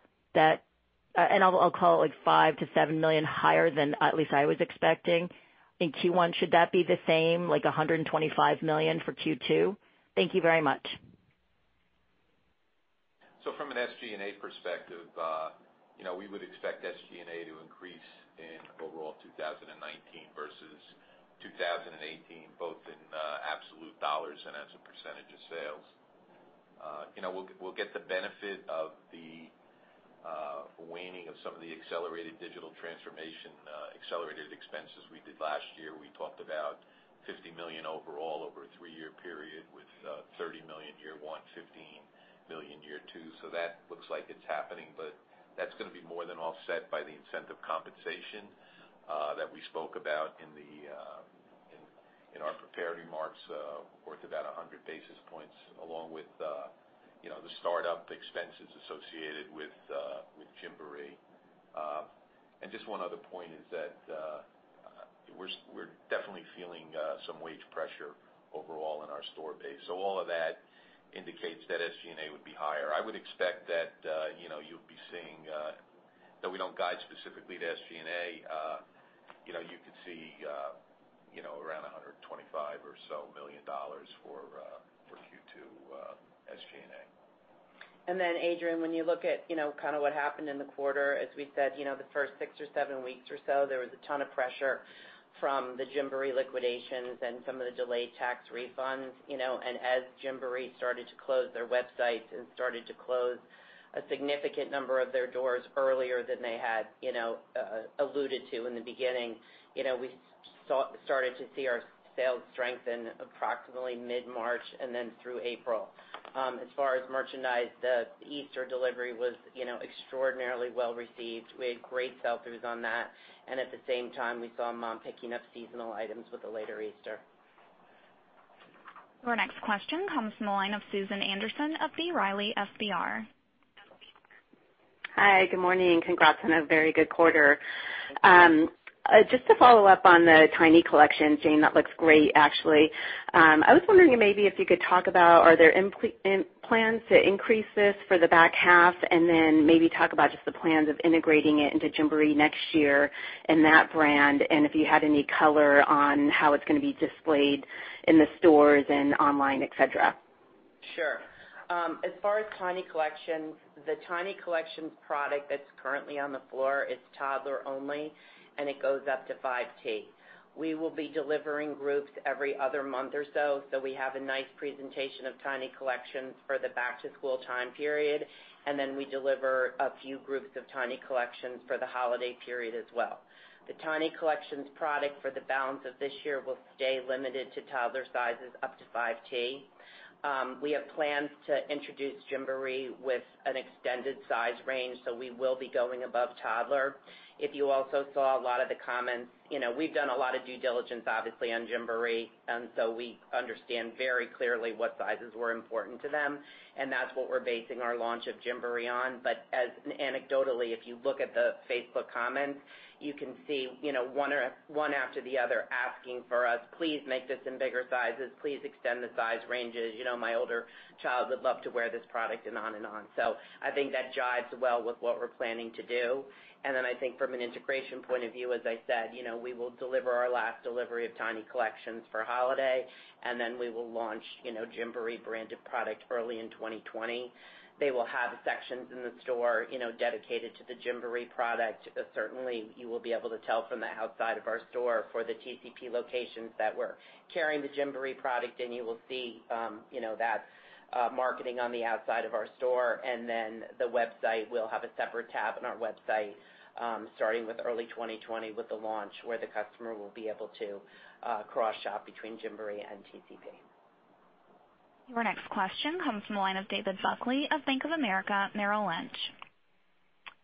call it $5 million-$7 million higher than at least I was expecting. In Q1, should that be the same, like $125 million for Q2? Thank you very much. From an SG&A perspective, we would expect SG&A to increase in overall 2019 versus 2018, both in absolute dollars and as a percentage of sales. We'll get the benefit of the waning of some of the accelerated digital transformation, accelerated expenses we did last year. We talked about $50 million overall over a three-year period with $30 million year 1, $15 million year 2. That looks like it's happening. That's going to be more than offset by the incentive compensation that we spoke about in our prepared remarks, worth about 100 basis points along with the startup expenses associated with Gymboree. Just one other point is that we're definitely feeling some wage pressure overall in our store base. All of that indicates that SG&A would be higher. I would expect that you'll be seeing-- Though we don't guide specifically to SG&A, you could see around $125 million or so for Q2 SG&A. Adrienne, when you look at what happened in the quarter, as we said, the first six or seven weeks or so, there was a ton of pressure from the Gymboree liquidations and some of the delayed tax refunds. As Gymboree started to close their websites and started to close a significant number of their doors earlier than they had alluded to in the beginning, we started to see our sales strengthen approximately mid-March and through April. As far as merchandise, the Easter delivery was extraordinarily well received. We had great sell-throughs on that. At the same time, we saw mom picking up seasonal items with a later Easter. Your next question comes from the line of Susan Anderson of B. Riley FBR. Hi, good morning. Congrats on a very good quarter. Just to follow up on the Tiny Collections, Jane, that looks great, actually. I was wondering maybe if you could talk about, are there plans to increase this for the back half? Maybe talk about just the plans of integrating it into Gymboree next year and that brand, and if you had any color on how it's gonna be displayed in the stores and online, et cetera. Sure. As far as Tiny Collections, the Tiny Collections product that's currently on the floor is toddler only, and it goes up to 5T. We will be delivering groups every other month or so we have a nice presentation of Tiny Collections for the back to school time period, and then we deliver a few groups of Tiny Collections for the holiday period as well. The Tiny Collections product for the balance of this year will stay limited to toddler sizes up to 5T. We have plans to introduce Gymboree with an extended size range, so we will be going above toddler. If you also saw a lot of the comments, we've done a lot of due diligence, obviously, on Gymboree. So we understand very clearly what sizes were important to them, and that's what we're basing our launch of Gymboree on. Anecdotally, if you look at the Facebook comments, you can see one after the other asking for us, "Please make this in bigger sizes. Please extend the size ranges. My older child would love to wear this product," and on and on. I think that jives well with what we're planning to do. I think from an integration point of view, as I said, we will deliver our last delivery of Tiny Collections for holiday, then we will launch Gymboree branded product early in 2020. They will have sections in the store dedicated to the Gymboree product. Certainly, you will be able to tell from the outside of our store for the TCP locations that we're carrying the Gymboree product, and you will see that marketing on the outside of our store. The website will have a separate tab on our website, starting with early 2020 with the launch, where the customer will be able to cross-shop between Gymboree and TCP. Your next question comes from the line of David Buckley of Bank of America Merrill Lynch.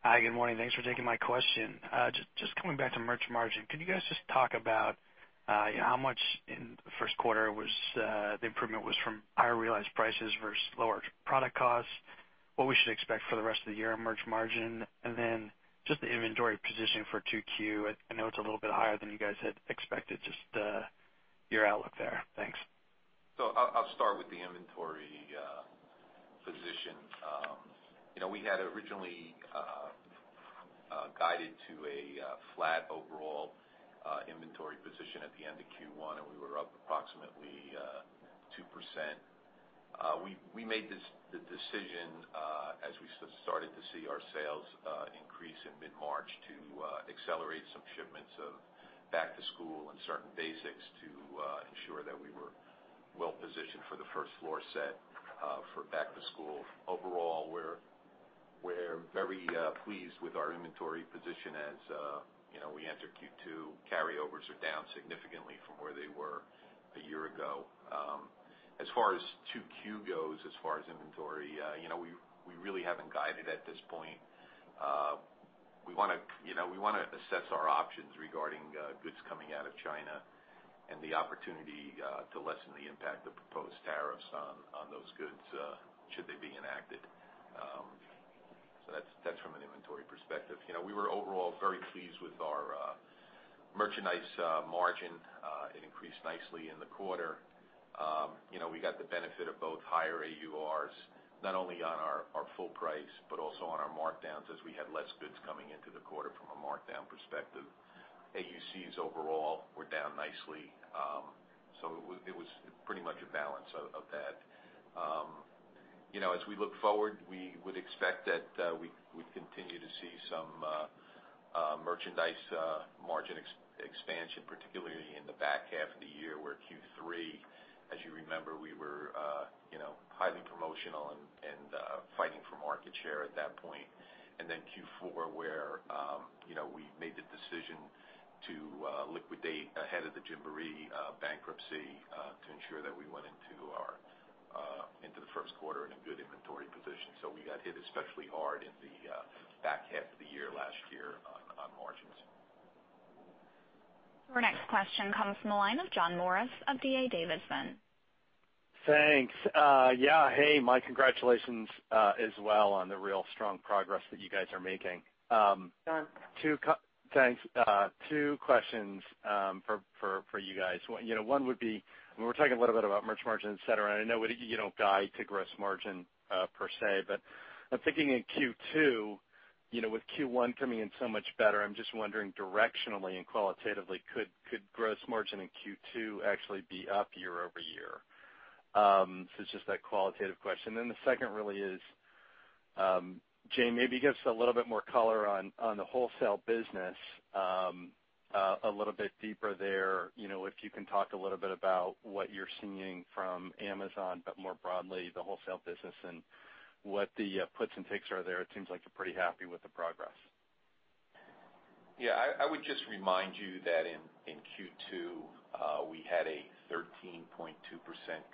Hi, good morning. Thanks for taking my question. Coming back to merch margin, can you guys just talk about how much in the first quarter the improvement was from higher realized prices versus lower product costs, what we should expect for the rest of the year in merch margin? Then just the inventory positioning for Q2, I know it's a little bit higher than you guys had expected, just your outlook there. Thanks. I'll start with the inventory position. We had originally guided to a flat overall inventory position at the end of Q1. We were up approximately 2%. We made the decision, as we started to see our sales increase in mid-March, to accelerate some shipments of back to school and certain basics to be well positioned for the first floor set for back to school. Overall, we're very pleased with our inventory position as we enter Q2. Carryovers are down significantly from where they were a year ago. As far as 2Q goes, as far as inventory, we really haven't guided at this point. We want to assess our options regarding goods coming out of China and the opportunity to lessen the impact of proposed tariffs on those goods, should they be enacted. That's from an inventory perspective. We were overall very pleased with our merchandise margin. It increased nicely in the quarter. We got the benefit of both higher AURs, not only on our full price, but also on our markdowns, as we had less goods coming into the quarter from a markdown perspective. AUCs overall were down nicely. It was pretty much a balance of that. As we look forward, we would expect that we'd continue to see some merchandise margin expansion, particularly in the back half of the year, where Q3, as you remember, we were highly promotional and fighting for market share at that point. Q4, where we made the decision to liquidate ahead of the Gymboree bankruptcy to ensure that we went into the first quarter in a good inventory position. We got hit especially hard in the back half of the year last year on margins. Our next question comes from the line of John Morris of D.A. Davidson. Thanks. Yeah. Hey, Mike, congratulations as well on the real strong progress that you guys are making. John. Thanks. Two questions for you guys. One would be, we were talking a little bit about merch margin, et cetera, and I know you don't guide to gross margin per se, but I'm thinking in Q2, with Q1 coming in so much better, I'm just wondering directionally and qualitatively, could gross margin in Q2 actually be up year-over-year? It's just that qualitative question. The second really is, Jane, maybe give us a little bit more color on the wholesale business, a little bit deeper there. If you can talk a little bit about what you're seeing from Amazon, but more broadly, the wholesale business and what the puts and takes are there. It seems like you're pretty happy with the progress. Yeah. I would just remind you that in Q2, we had a 13.2%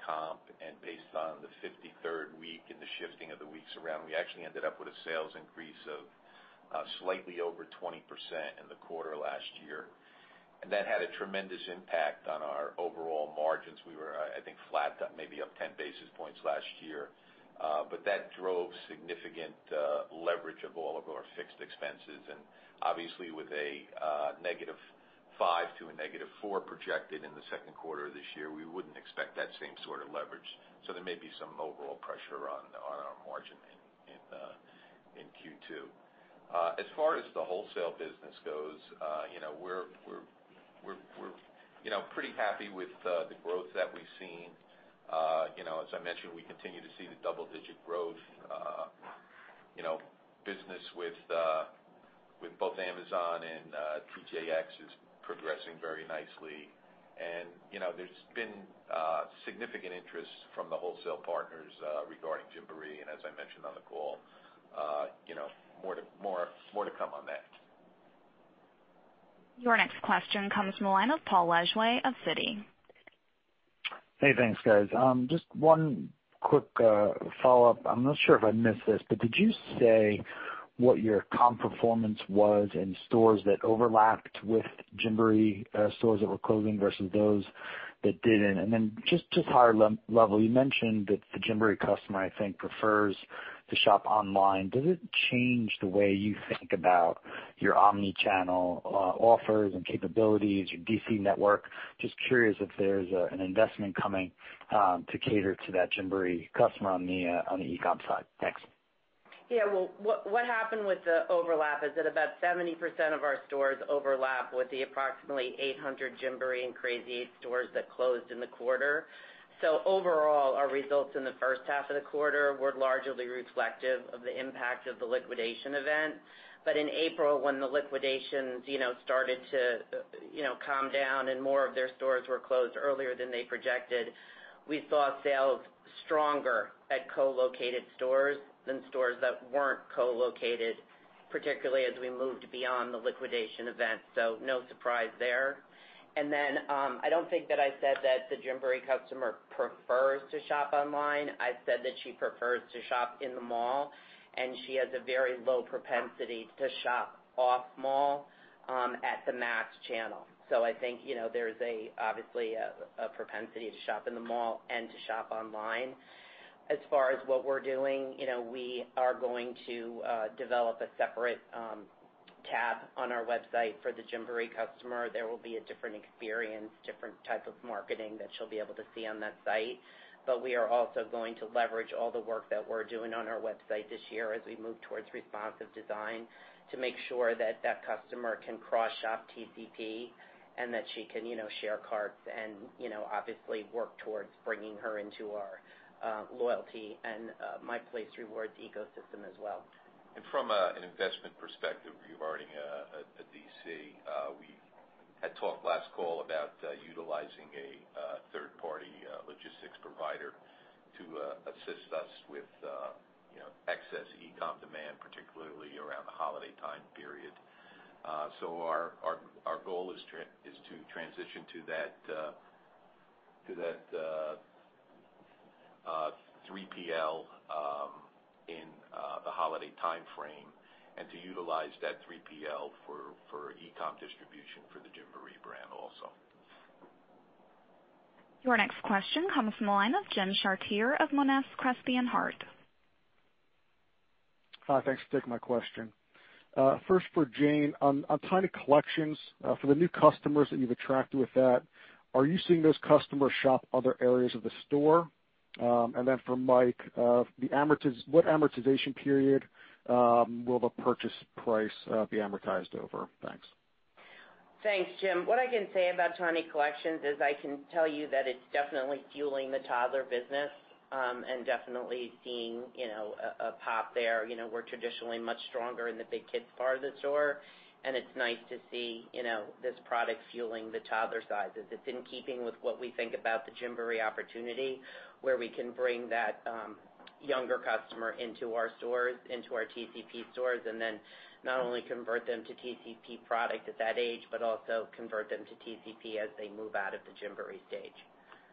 comp, and based on the 53rd week and the shifting of the weeks around, we actually ended up with a sales increase of slightly over 20% in the quarter last year. That had a tremendous impact on our overall margins. We were, I think, flat, maybe up 10 basis points last year. That drove significant leverage of all of our fixed expenses. Obviously with a negative 5 to a negative 4 projected in the second quarter of this year, we wouldn't expect that same sort of leverage. There may be some overall pressure on our margin in Q2. As far as the wholesale business goes, we're pretty happy with the growth that we've seen. As I mentioned, we continue to see the double-digit growth. Business with both Amazon and TJX is progressing very nicely. There's been significant interest from the wholesale partners regarding Gymboree, and as I mentioned on the call, more to come on that. Your next question comes from the line of Paul Lejuez of Citi. Thanks, guys. Just one quick follow-up. I am not sure if I missed this, did you say what your comp performance was in stores that overlapped with Gymboree stores that were closing versus those that didn't? Just higher level, you mentioned that the Gymboree customer, I think, prefers to shop online. Does it change the way you think about your omni-channel offers and capabilities, your DC network? Just curious if there's an investment coming to cater to that Gymboree customer on the e-com side. Thanks. Yeah. What happened with the overlap is that about 70% of our stores overlap with the approximately 800 Gymboree and Crazy 8 stores that closed in the quarter. Overall, our results in the first half of the quarter were largely reflective of the impact of the liquidation event. In April, when the liquidations started to calm down and more of their stores were closed earlier than they projected, we saw sales stronger at co-located stores than stores that weren't co-located, particularly as we moved beyond the liquidation event. No surprise there. I don't think that I said that the Gymboree customer prefers to shop online. I said that she prefers to shop in the mall, and she has a very low propensity to shop off-mall at the mass channel. I think, there's obviously a propensity to shop in the mall and to shop online. As far as what we're doing, we are going to develop a separate tab on our website for the Gymboree customer. There will be a different experience, different type of marketing that she'll be able to see on that site. We are also going to leverage all the work that we're doing on our website this year as we move towards responsive design to make sure that that customer can cross-shop TCP and that she can share carts and obviously work towards bringing her into our loyalty and My Place Rewards ecosystem as well. From an investment perspective regarding a DC, we had talked last call about utilizing a third-party logistics provider to assist us with excess e-com demand, particularly around the holiday time period. Our goal is to transition to that 3PL in the holiday timeframe and to utilize that 3PL for e-com distribution for the Gymboree brand also. Your next question comes from the line of Jim Chartier of Monness, Crespi and Hardt. Hi. Thanks for taking my question. First for Jane, on Tiny Collections, for the new customers that you've attracted with that, are you seeing those customers shop other areas of the store? Then for Mike, what amortization period will the purchase price be amortized over? Thanks. Thanks, Jim. What I can say about Tiny Collections is I can tell you that it's definitely fueling the toddler business, and definitely seeing a pop there. We're traditionally much stronger in the big kids part of the store. It's nice to see this product fueling the toddler sizes. It's in keeping with what we think about the Gymboree opportunity, where we can bring that younger customer into our TCP stores, and then not only convert them to TCP product at that age, but also convert them to TCP as they move out of the Gymboree stage.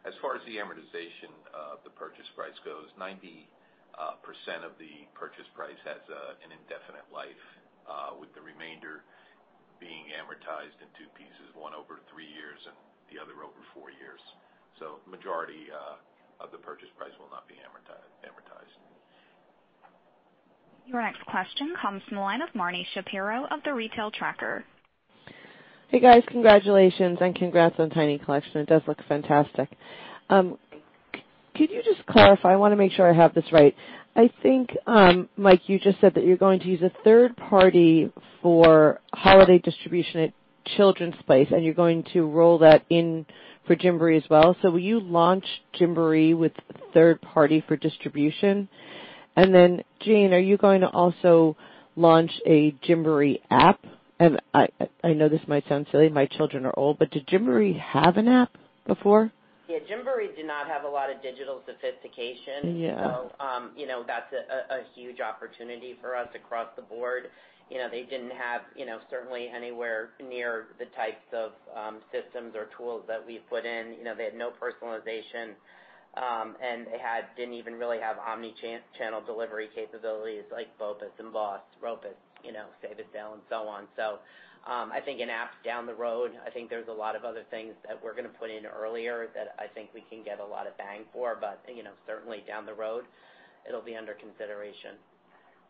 As far as the amortization of the purchase price goes, 90% of the purchase price has an indefinite life, with the remainder being amortized in two pieces, one over three years and the other over four years. Majority of the purchase price will not be amortized. Your next question comes from the line of Marni Shapiro of The Retail Tracker. Hey, guys. Congratulations and congrats on Tiny Collections. It does look fantastic. Could you just clarify, I want to make sure I have this right. I think, Mike, you just said that you're going to use a third party for holiday distribution at The Children's Place, and you're going to roll that in for Gymboree as well. Will you launch Gymboree with a third party for distribution? Jane, are you going to also launch a Gymboree app? I know this might sound silly, my children are old, but did Gymboree have an app before? Yeah. Gymboree did not have a lot of digital sophistication. Yeah. That's a huge opportunity for us across the board. They didn't have certainly anywhere near the types of systems or tools that we've put in. They had no personalization, and they didn't even really have omni-channel delivery capabilities like BOPIS and BOSS, ROPIS, save-the-sale, and so on. I think an app's down the road. I think there's a lot of other things that we're gonna put in earlier that I think we can get a lot of bang for. Certainly down the road, it'll be under consideration.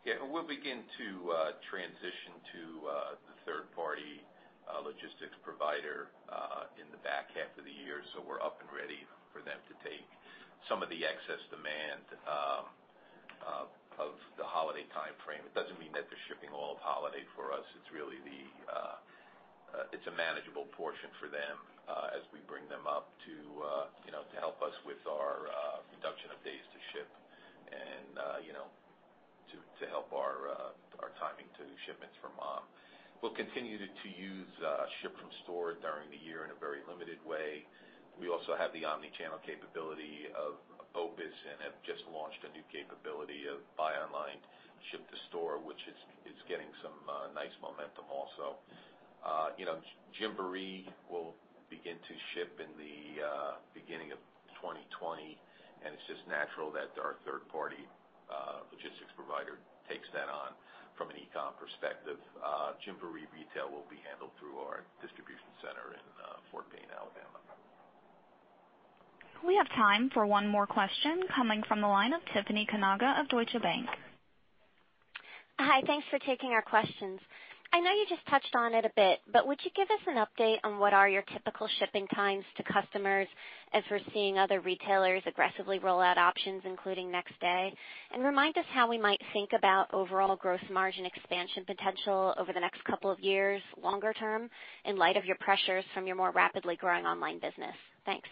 Yeah. We'll begin to transition to the third party logistics provider in the back half of the year, so we're up and ready for them to take some of the excess demand of the holiday timeframe. It doesn't mean that they're shipping all of holiday for us. It's a manageable portion for them as we bring them up to help us with our reduction of days to ship and to help our timing to do shipments for mom. We'll continue to use ship from store during the year in a very limited way. We also have the omni-channel capability of BOPIS and have just launched a new capability of buy online, ship to store, which is getting some nice momentum also. Gymboree will begin to ship in the beginning of 2020, and it's just natural that our third-party logistics provider takes that on from an e-com perspective. Gymboree retail will be handled through our distribution center in Fort Payne, Alabama. We have time for one more question, coming from the line of Tiffany Kanaga of Deutsche Bank. Hi. Thanks for taking our questions. I know you just touched on it a bit, would you give us an update on what are your typical shipping times to customers, as we're seeing other retailers aggressively roll out options, including next day? Remind us how we might think about overall gross margin expansion potential over the next couple of years, longer term, in light of your pressures from your more rapidly growing online business. Thanks.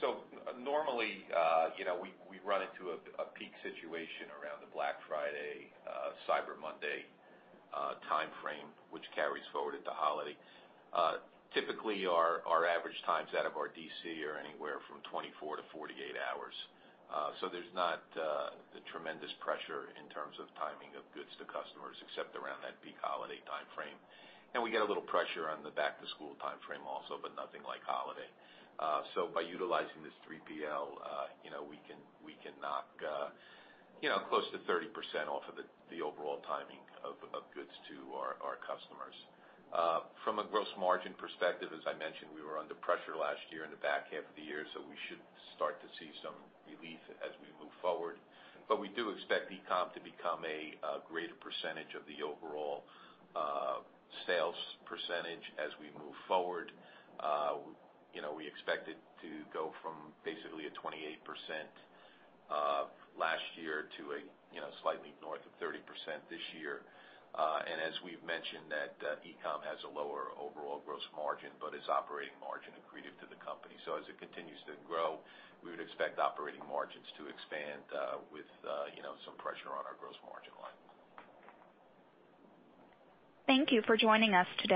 Normally, we run into a peak situation around the Black Friday, Cyber Monday timeframe, which carries forward into holiday. Typically, our average times out of our DC are anywhere from 24-48 hours. There's not the tremendous pressure in terms of timing of goods to customers, except around that peak holiday timeframe. We get a little pressure on the back to school timeframe also, nothing like holiday. By utilizing this 3PL, we can knock close to 30% off of the overall timing of goods to our customers. From a gross margin perspective, as I mentioned, we were under pressure last year in the back half of the year, we should start to see some relief as we move forward. We do expect e-com to become a greater percentage of the overall sales percentage as we move forward. We expect it to go from basically a 28% last year to slightly north of 30% this year. As we've mentioned, that e-com has a lower overall gross margin, is operating margin accretive to the company. As it continues to grow, we would expect operating margins to expand with some pressure on our gross margin line. Thank you for joining us today